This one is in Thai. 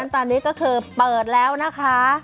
ตอนนี้ก็คือเปิดแล้วนะคะ